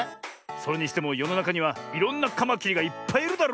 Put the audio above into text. それにしてもよのなかにはいろんなカマキリがいっぱいいるだろう？